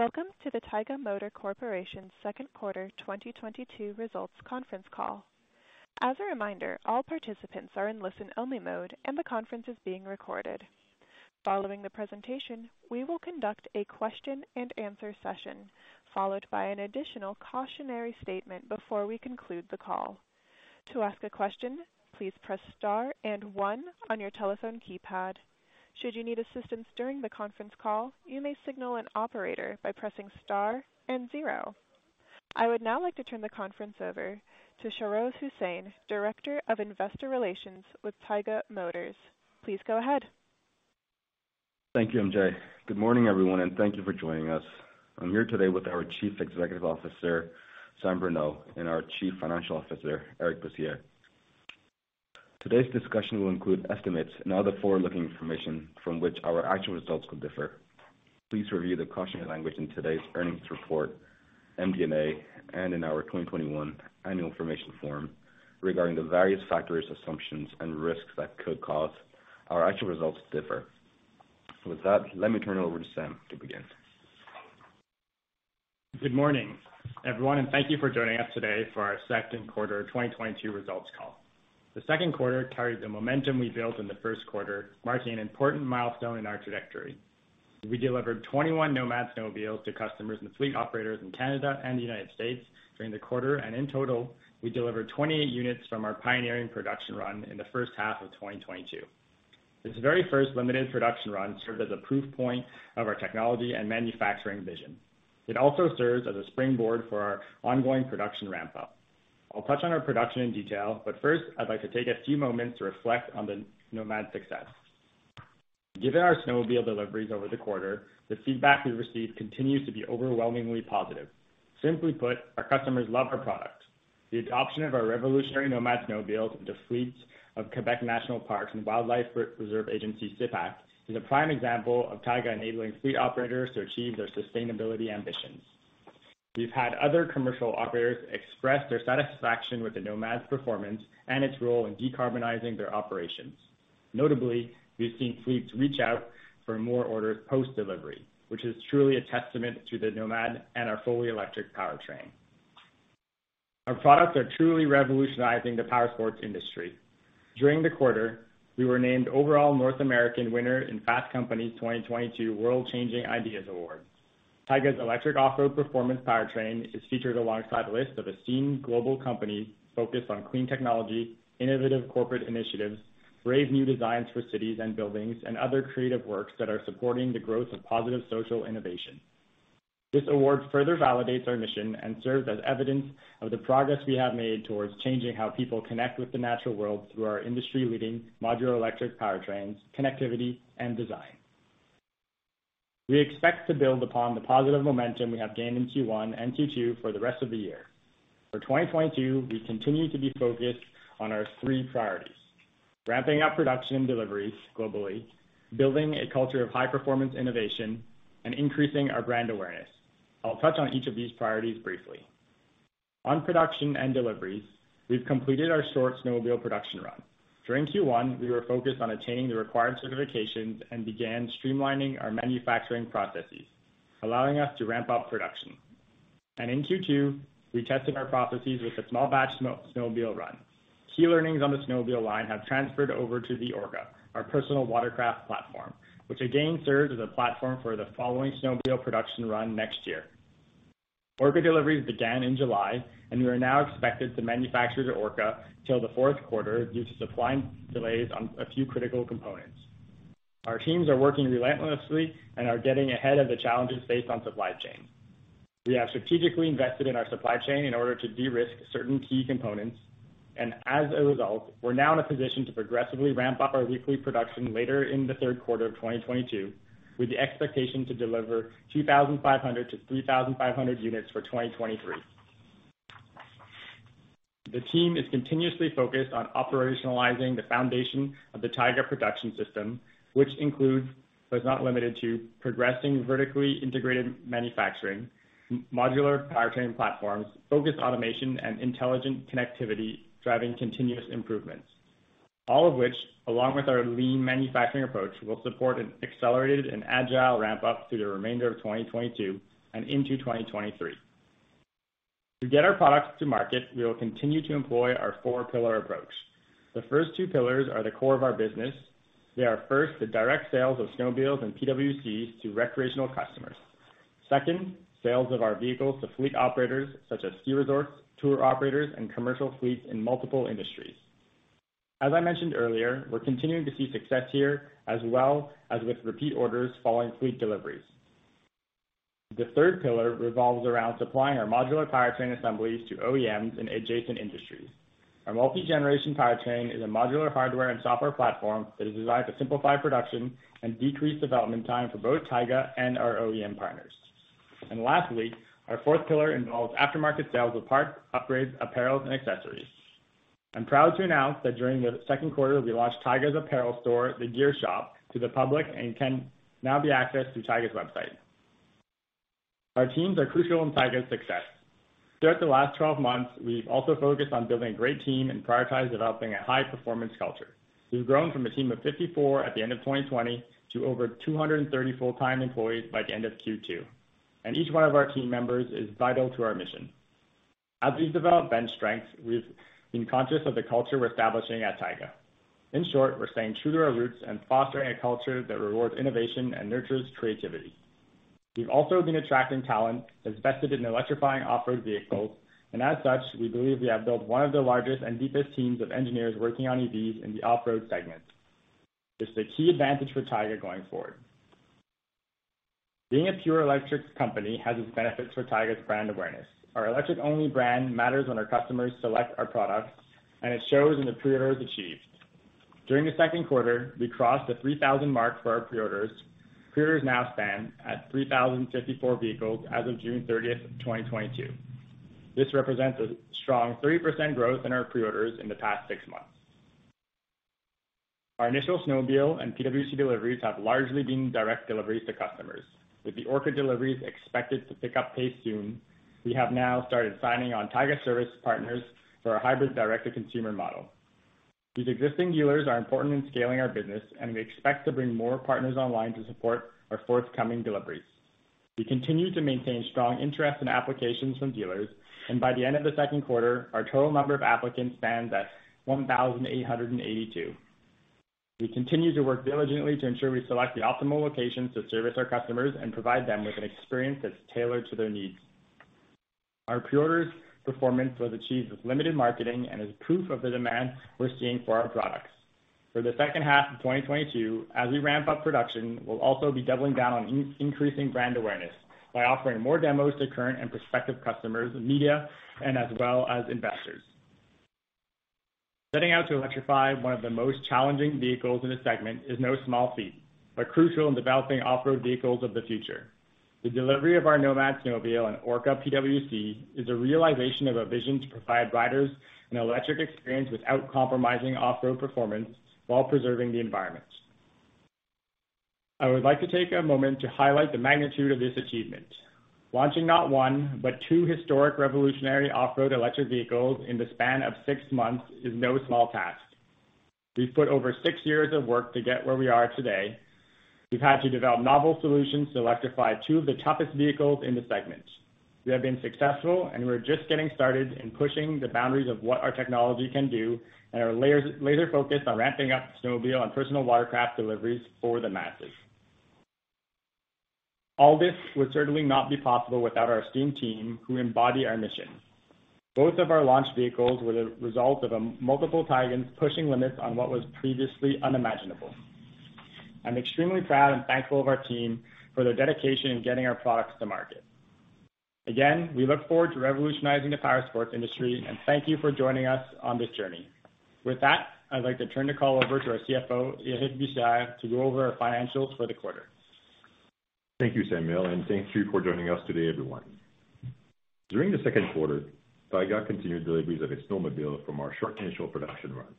Welcome to the Taiga Motors Corporation second quarter 2022 results conference call. As a reminder, all participants are in listen-only mode, and the conference is being recorded. Following the presentation, we will conduct a question-and-answer session, followed by an additional cautionary statement before we conclude the call. To ask a question, please press star and one on your telephone keypad. Should you need assistance during the conference call, you may signal an operator by pressing star and zero. I would now like to turn the conference over to Shahroz Hussain, Director of Investor Relations with Taiga Motors. Please go ahead. Thank you, MJ. Good morning, everyone, and thank you for joining us. I'm here today with our Chief Executive Officer, Samuel Bruneau, and our Chief Financial Officer, Eric Bussières. Today's discussion will include estimates and other forward-looking information from which our actual results could differ. Please review the cautionary language in today's earnings report, MD&A, and in our 2021 annual information form regarding the various factors, assumptions, and risks that could cause our actual results to differ. With that, let me turn it over to Sam to begin. Good morning, everyone, and thank you for joining us today for our second quarter 2022 results call. The second quarter carried the momentum we built in the first quarter, marking an important milestone in our trajectory. We delivered 21 Nomad snowmobiles to customers and fleet operators in Canada and the United States during the quarter, and in total, we delivered 28 units from our pioneering production run in the first half of 2022. This very first limited production run served as a proof point of our technology and manufacturing vision. It also serves as a springboard for our ongoing production ramp up. I'll touch on our production in detail, but first, I'd like to take a few moments to reflect on the Nomad success. Given our snowmobile deliveries over the quarter, the feedback we've received continues to be overwhelmingly positive. Simply put, our customers love our product. The adoption of our revolutionary Nomad snowmobiles into fleets of Quebec National Parks and Wildlife Reserve agency, Sépaq, is a prime example of Taiga enabling fleet operators to achieve their sustainability ambitions. We've had other commercial operators express their satisfaction with the Nomad's performance and its role in decarbonizing their operations. Notably, we've seen fleets reach out for more orders post-delivery, which is truly a testament to the Nomad and our fully electric powertrain. Our products are truly revolutionizing the powersports industry. During the quarter, we were named overall North American winner in Fast Company's 2022 World Changing Ideas Awards. Taiga's electric off-road performance powertrain is featured alongside a list of esteemed global companies focused on clean technology, innovative corporate initiatives, brave new designs for cities and buildings, and other creative works that are supporting the growth of positive social innovation. This award further validates our mission and serves as evidence of the progress we have made towards changing how people connect with the natural world through our industry-leading modular electric powertrains, connectivity, and design. We expect to build upon the positive momentum we have gained in Q1 and Q2 for the rest of the year. For 2022, we continue to be focused on our three priorities, ramping up production and deliveries globally, building a culture of high-performance innovation, and increasing our brand awareness. I'll touch on each of these priorities briefly. On production and deliveries, we've completed our short snowmobile production run. During Q1, we were focused on attaining the required certifications and began streamlining our manufacturing processes, allowing us to ramp up production. In Q2, we tested our processes with a small batch snowmobile run. Key learnings on the snowmobile line have transferred over to the Orca, our personal watercraft platform, which again serves as a platform for the following snowmobile production run next year. Orca deliveries began in July, and we are now expected to manufacture the Orca till the fourth quarter due to supply delays on a few critical components. Our teams are working relentlessly and are getting ahead of the challenges based on supply chain. We have strategically invested in our supply chain in order to de-risk certain key components, and as a result, we're now in a position to progressively ramp up our weekly production later in the third quarter of 2022, with the expectation to deliver 2,500-3,500 units for 2023. The team is continuously focused on operationalizing the foundation of the Taiga production system, which includes, but is not limited to, progressing vertically integrated manufacturing, modular powertrain platforms, focused automation, and intelligent connectivity driving continuous improvements. All of which, along with our lean manufacturing approach, will support an accelerated and agile ramp up through the remainder of 2022 and into 2023. To get our products to market, we will continue to employ our four-pillar approach. The first two pillars are the core of our business. They are first the direct sales of snowmobiles and PWCs to recreational customers. Second, sales of our vehicles to fleet operators such as ski resorts, tour operators, and commercial fleets in multiple industries. As I mentioned earlier, we're continuing to see success here as well as with repeat orders following fleet deliveries. The third pillar revolves around supplying our modular powertrain assemblies to OEMs in adjacent industries. Our multi-generation powertrain is a modular hardware and software platform that is designed to simplify production and decrease development time for both Taiga and our OEM partners. Lastly, our fourth pillar involves aftermarket sales of parts, upgrades, apparels, and accessories. I'm proud to announce that during the second quarter, we launched Taiga's apparel store, the Taiga Shop, to the public and can now be accessed through Taiga's website. Our teams are crucial in Taiga's success. Throughout the last 12 months, we've also focused on building a great team and prioritize developing a high-performance culture. We've grown from a team of 54 at the end of 2020 to over 230 full-time employees by the end of Q2, and each one of our team members is vital to our mission. As we've developed bench strength, we've been conscious of the culture we're establishing at Taiga. In short, we're staying true to our roots and fostering a culture that rewards innovation and nurtures creativity. We've also been attracting talent that's vested in electrifying off-road vehicles, and as such, we believe we have built one of the largest and deepest teams of engineers working on EVs in the off-road segment. This is a key advantage for Taiga going forward. Being a pure electrics company has its benefits for Taiga's brand awareness. Our electric-only brand matters when our customers select our products, and it shows in the pre-orders achieved. During the second quarter, we crossed the 3,000 marks for our pre-orders. Pre-orders now stand at 3,054 vehicles as of June 30, 2022. This represents a strong 3% growth in our pre-orders in the past six months. Our initial snowmobile and PWC deliveries have largely been direct deliveries to customers. With the Orca deliveries expected to pick up pace soon, we have now started signing on Taiga service partners for our hybrid direct-to-consumer model. These existing dealers are important in scaling our business, and we expect to bring more partners online to support our forthcoming deliveries. We continue to maintain strong interest in applications from dealers, and by the end of the second quarter, our total number of applicants stands at 1,882. We continue to work diligently to ensure we select the optimal locations to service our customers and provide them with an experience that's tailored to their needs. Our pre-orders performance was achieved with limited marketing and is proof of the demand we're seeing for our products. For the second half of 2022, as we ramp up production, we'll also be doubling down on increasing brand awareness by offering more demos to current and prospective customers and media, and as well as investors. Setting out to electrify one of the most challenging vehicles in a segment is no small feat, but crucial in developing off-road vehicles of the future. The delivery of our Nomad snowmobile and Orca PWC is a realization of a vision to provide riders an electric experience without compromising off-road performance while preserving the environment. I would like to take a moment to highlight the magnitude of this achievement. Launching not one, but two historic revolutionary off-road electric vehicles in the span of 6 months is no small task. We've put over 6 years of work to get where we are today. We've had to develop novel solutions to electrify two of the toughest vehicles in the segment. We have been successful, and we're just getting started in pushing the boundaries of what our technology can do and laser-focused on ramping up the snowmobile on personal watercraft deliveries for the masses. All this would certainly not be possible without our esteemed team who embody our mission. Both of our launch vehicles were the result of multiple Taigans pushing limits on what was previously unimaginable. I'm extremely proud and thankful of our team for their dedication in getting our products to market. Again, we look forward to revolutionizing the powersports industry, and thank you for joining us on this journey. With that, I'd like to turn the call over to our CFO, Eric Bussières, to go over our financials for the quarter. Thank you, Samuel, and thank you for joining us today, everyone. During the second quarter, Taiga continued deliveries of a snowmobile from our short initial production run.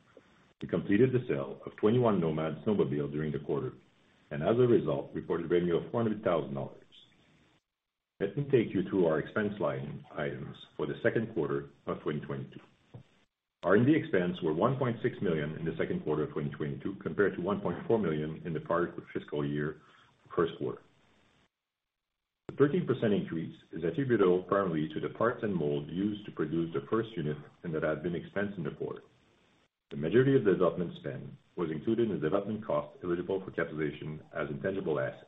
We completed the sale of 21 Nomad snowmobiles during the quarter, and as a result, reported revenue of 400,000 dollars. Let me take you through our expense line items for the second quarter of 2022. R&D expenses were CAD 1.6 million in the second quarter of 2022, compared to CAD 1.4 million in the prior fiscal year first quarter. The 13% increase is attributable primarily to the parts and molds used to produce the first unit and that had been expensed in the quarter. The majority of the development spend was included in the development costs eligible for capitalization as intangible assets.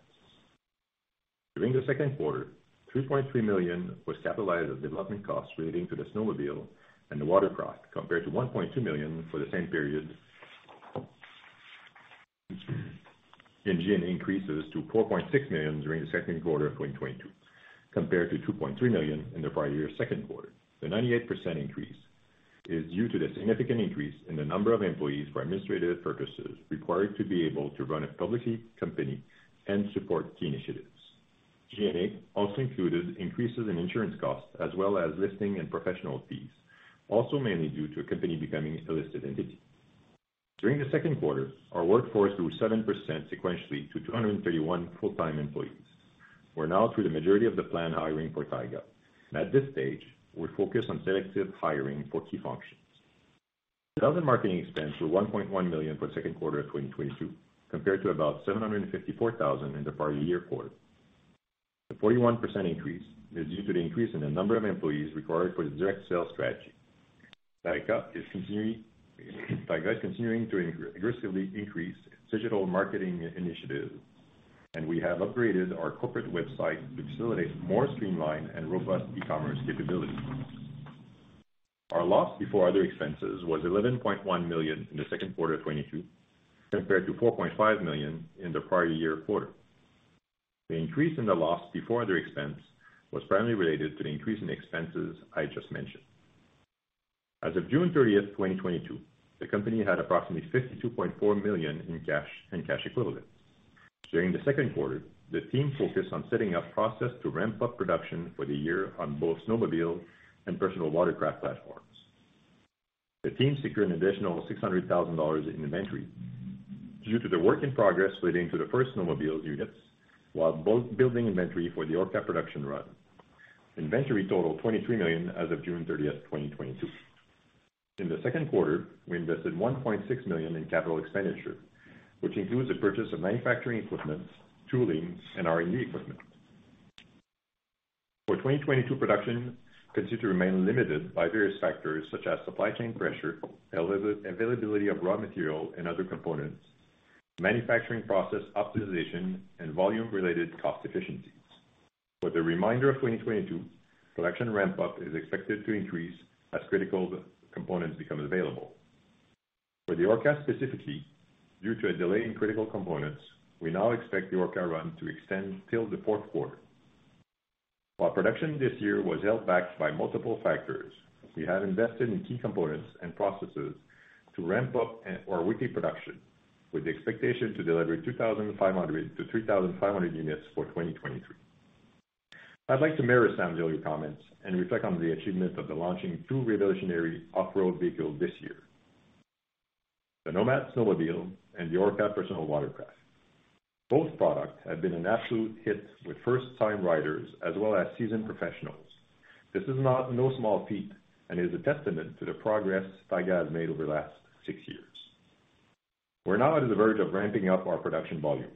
During the second quarter, 3.3 million was capitalized of development costs relating to the snowmobile and the watercraft, compared to 1.2 million for the same period. G&A increases to 4.6 million during the second quarter of 2022, compared to 2.3 million in the prior year's second quarter. The 98% increase is due to the significant increase in the number of employees for administrative purposes required to be able to run a public company and support key initiatives. G&A also included increases in insurance costs as well as listing and professional fees, also mainly due to a company becoming a listed entity. During the second quarter, our workforce grew 7% sequentially to 231 full-time employees. We're now through the majority of the planned hiring for Taiga. At this stage, we're focused on selective hiring for key functions. Sales and marketing expense were 1.1 million for the second quarter of 2022, compared to about 754,000 in the prior year quarter. The 41% increase is due to the increase in the number of employees required for the direct sales strategy. Taiga is continuing to aggressively increase digital marketing initiatives, and we have upgraded our corporate website to facilitate more streamlined and robust e-commerce capability. Our loss before other expenses was 11.1 million in the second quarter of 2022, compared to 4.5 million in the prior year quarter. The increase in the loss before other expense was primarily related to the increase in expenses I just mentioned. As of June 30, 2022, the company had approximately 52.4 million in cash and cash equivalents. During the second quarter, the team focused on setting up process to ramp up production for the year on both snowmobile and personal watercraft platforms. The team secured an additional 600,000 dollars in inventory due to the work in progress leading to the first snowmobile units, while building inventory for the Orca production run. Inventory totaled 23 million as of June 30, 2022. In the second quarter, we invested 1.6 million in capital expenditure, which includes the purchase of manufacturing equipment, tooling, and R&D equipment. For 2022, production continues to remain limited by various factors such as supply chain pressure, availability of raw material and other components, manufacturing process optimization, and volume related cost efficiencies. For the remainder of 2022, production ramp up is expected to increase as critical components become available. For the Orca specifically, due to a delay in critical components, we now expect the Orca run to extend till the fourth quarter. While production this year was held back by multiple factors, we have invested in key components and processes to ramp up our weekly production with the expectation to deliver 2,500-3,500 units for 2023. I'd like to mirror Sam's earlier comments and reflect on the achievement of the launching two revolutionary off-road vehicles this year, the Nomad snowmobile and the Orca personal watercraft. Both products have been an absolute hit with first time riders as well as seasoned professionals. This is no small feat and is a testament to the progress Taiga has made over the last six years. We're now at the verge of ramping up our production volume,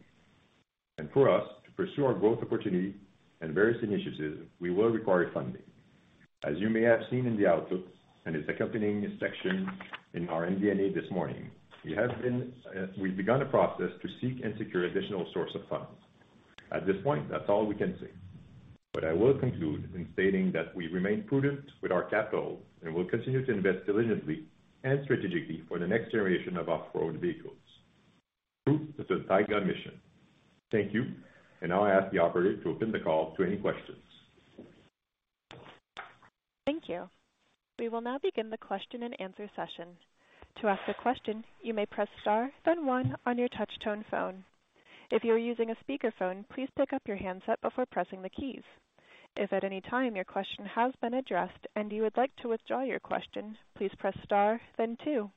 and for us to pursue our growth opportunity and various initiatives, we will require funding. As you may have seen in the outlook and its accompanying section in our MD&A this morning, we have been, we've begun a process to seek and secure additional source of funds. At this point, that's all we can say, but I will conclude in stating that we remain prudent with our capital and will continue to invest diligently and strategically for the next generation of off-road vehicles. True, it's a Taiga mission. Thank you. Now I ask the operator to open the call to any questions. Thank you. We will now begin the question-and-answer session. To ask a question, you may press star then one on your touch tone phone. If you are using a speakerphone, please pick up your handset before pressing the keys. If at any time your question has been addressed and you would like to withdraw your question, please press star then two.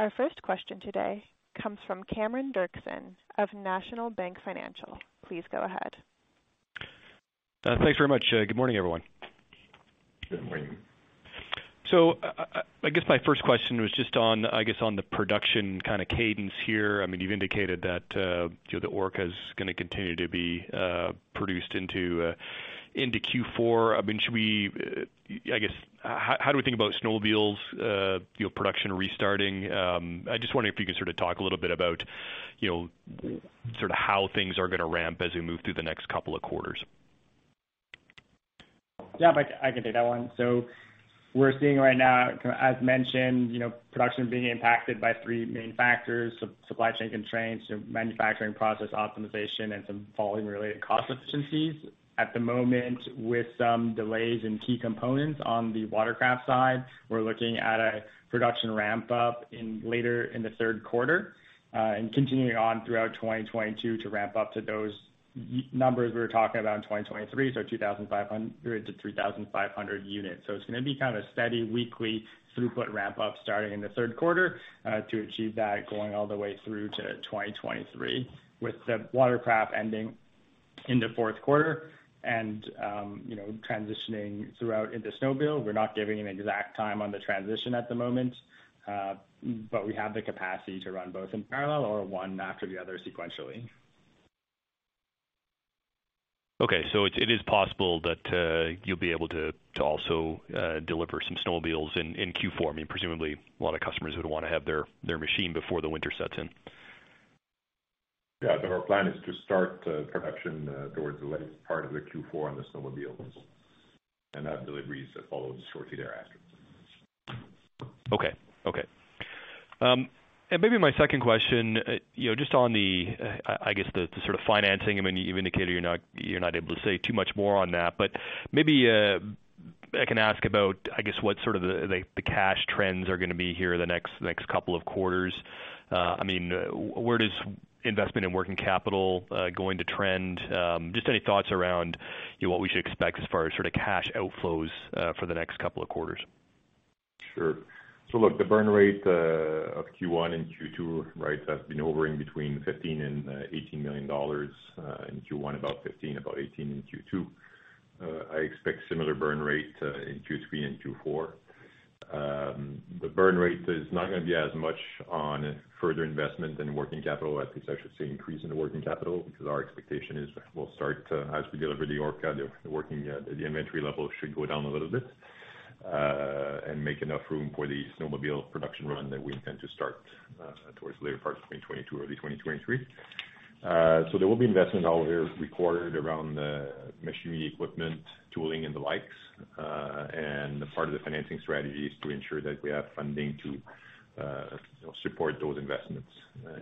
Our first question today comes from Cameron Doerksen of National Bank Financial. Please go ahead. Thanks very much. Good morning, everyone. Good morning. I guess my first question was just on, I guess, on the production kinda cadence here. I mean, you've indicated that, you know, the Orca is gonna continue to be produced into Q4. I mean, should we, I guess how do we think about snowmobiles, you know, production restarting? I just wonder if you can sort of talk a little bit about, you know, sort of how things are gonna ramp as we move through the next couple of quarters. Yeah, Mike, I can take that one. We're seeing right now, as mentioned, you know, production being impacted by three main factors, supply chain constraints, you know, manufacturing process optimization, and some volume related cost efficiencies. At the moment, with some delays in key components on the watercraft side, we're looking at a production ramp up later in the third quarter and continuing on throughout 2022 to ramp up to those numbers we were talking about in 2023, so 2,500-3,500 units. It's gonna be kind of a steady weekly throughput ramp up starting in the third quarter, to achieve that going all the way through to 2023, with the watercraft ending in the fourth quarter and, you know, transitioning throughout into snowmobile. We're not giving an exact time on the transition at the moment, but we have the capacity to run both in parallel and one after the other sequentially. Okay, it is possible that you'll be able to also deliver some snowmobiles in Q4. I mean, presumably a lot of customers would wanna have their machine before the winter sets in. Yeah, our plan is to start production towards the latter part of the Q4 on the snowmobiles and have deliveries that follow shortly thereafter. Okay. Maybe my second question, you know, just on the, I guess the sort of financing, I mean, you've indicated you're not able to say too much more on that, but maybe I can ask about, I guess, what sort of the cash trends are gonna be here the next couple of quarters. I mean, where does investment and working capital going to trend? Just any thoughts around, you know, what we should expect as far as sort of cash outflows for the next couple of quarters? Sure. Look, the burn rate of Q1 and Q2, right, has been hovering between 15 million and 18 million dollars. In Q1 about 15 million, about 18 million in Q2. I expect similar burn rate in Q3 and Q4. The burn rate is not gonna be as much on further investment in working capital. I think I should say increase in the working capital because our expectation is we'll start to, as we deliver the Orca, the working, the inventory level should go down a little bit and make enough room for the snowmobile production run that we intend to start towards the later part of 2022, early 2023. There will be investment dollars required around machinery, equipment, tooling and the likes. Part of the financing strategy is to ensure that we have funding to, you know, support those investments,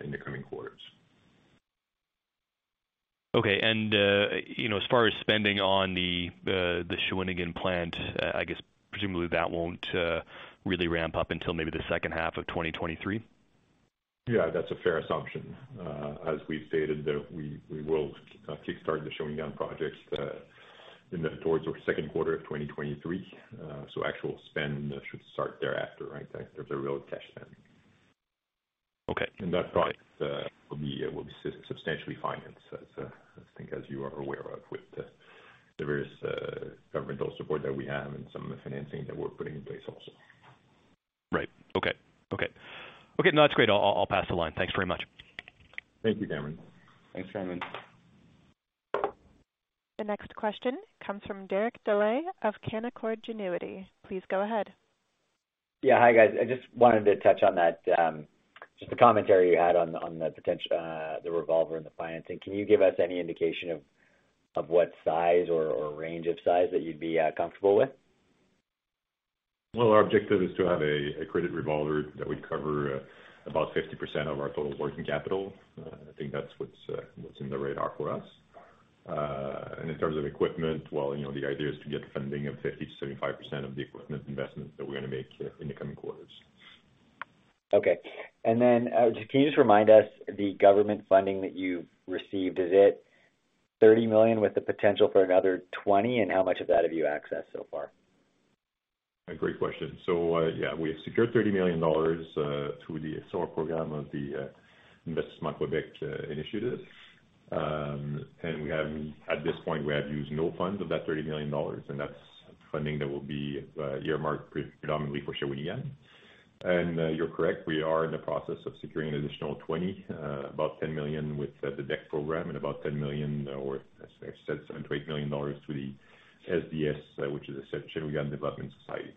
in the coming quarters. Okay. You know, as far as spending on the Shawinigan plant, I guess presumably that won't really ramp up until maybe the second half of 2023? Yeah, that's a fair assumption. As we've stated that we will kickstart the spending on projects toward the second quarter of 2023. Actual spend should start thereafter, right? There's a real cash spend. Okay. That project will be substantially financed as I think as you are aware of with the various governmental support that we have and some of the financing that we're putting in place also. Right. Okay, no, that's great. I'll pass the line. Thanks very much. Thank you, Cameron. Thanks, Cameron. The next question comes from Derek Dley of Canaccord Genuity. Please go ahead. Yeah. Hi, guys. I just wanted to touch on that, just the commentary you had on the revolver and the financing. Can you give us any indication of what size or range of size that you'd be comfortable with? Well, our objective is to have a credit revolver that would cover about 50% of our total working capital. I think that's what's in the radar for us. In terms of equipment, well, you know, the idea is to get funding of 50%-75% of the equipment investments that we're gonna make here in the coming quarters. Okay. Can you just remind us the government funding that you've received? Is it 30 million with the potential for another 20 million, and how much of that have you accessed so far? A great question. Yeah, we have secured 30 million dollars through the ESSOR program of the Investissement Québec initiative. We have, at this point, we have used no funds of that 30 million dollars, and that's funding that will be earmarked predominantly for Shawinigan. You're correct, we are in the process of securing an additional 20 million, about 10 million with the bank program and about 10 million or 7-8 million dollars to the SODES, which is essentially a development society.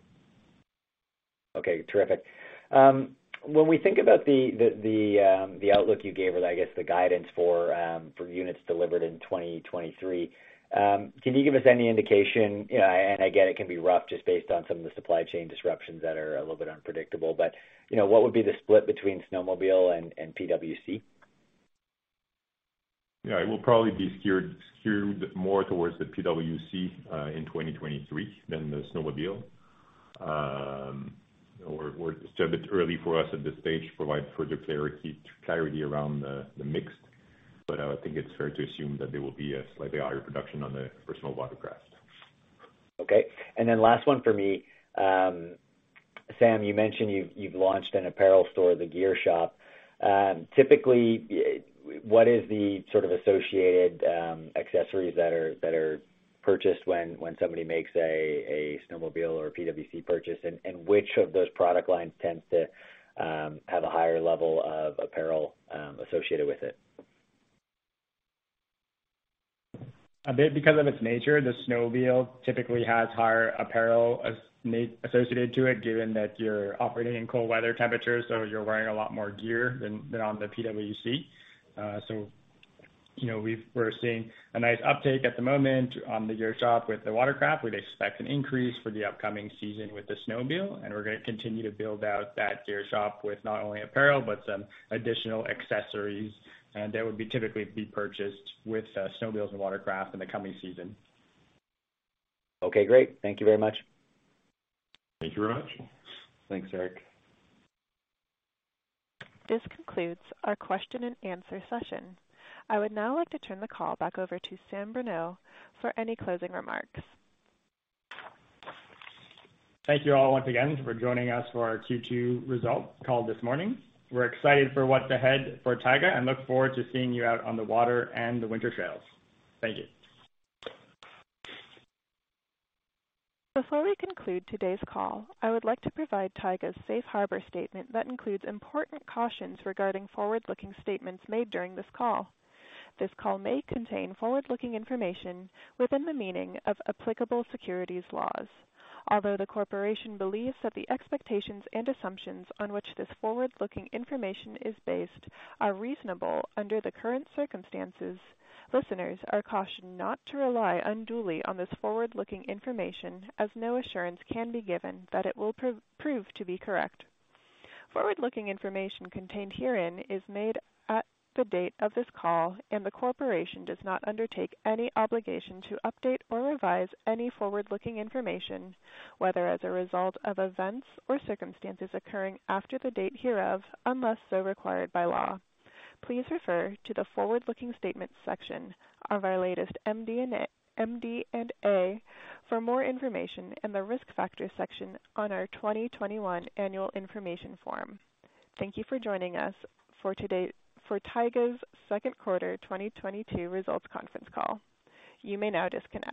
Okay, terrific. When we think about the outlook you gave or I guess the guidance for units delivered in 2023, can you give us any indication, you know, and again, it can be rough just based on some of the supply chain disruptions that are a little bit unpredictable, but, you know, what would be the split between snowmobile and PWC? Yeah. It will probably be skewed more towards the PWC in 2023 than the snowmobile. We're still a bit early for us at this stage to provide further clarity around the mix, but I think it's fair to assume that there will be a slightly higher production on the personal watercraft. Okay. Last one for me. Sam, you mentioned you've launched an apparel store, the Taiga Shop. Typically, what is the sort of associated accessories that are purchased when somebody makes a snowmobile or PWC purchase, and which of those product lines tends to have a higher level of apparel associated with it? A bit because of its nature, the snowmobile typically has higher apparel associated to it, given that you're operating in cold weather temperatures, so you're wearing a lot more gear than on the PWC. You know, we're seeing a nice uptake at the moment on the gear shop with the watercraft. We'd expect an increase for the upcoming season with the snowmobile, and we're gonna continue to build out that gear shop with not only apparel, but some additional accessories that would typically be purchased with snowmobiles and watercraft in the coming season. Okay, great. Thank you very much. Thank you very much. Thanks, Eric. This concludes our question-and-answer session. I would now like to turn the call back over to Samuel Bruneau for any closing remarks. Thank you all once again for joining us for our Q2 results call this morning. We're excited for what's ahead for Taiga and look forward to seeing you out on the water and the winter trails. Thank you. Before we conclude today's call, I would like to provide Taiga's safe harbor statement that includes important cautions regarding forward-looking statements made during this call. This call may contain forward-looking information within the meaning of applicable securities laws. Although the corporation believes that the expectations and assumptions on which this forward-looking information is based are reasonable under the current circumstances, listeners are cautioned not to rely unduly on this forward-looking information, as no assurance can be given that it will prove to be correct. Forward-looking information contained herein is made at the date of this call, and the corporation does not undertake any obligation to update or revise any forward-looking information, whether as a result of events or circumstances occurring after the date hereof, unless so required by law. Please refer to the forward-looking statements section of our latest MD&A for more information in the risk factors section on our 2021 annual information form. Thank you for joining us for Taiga's second quarter 2022 results conference call. You may now disconnect.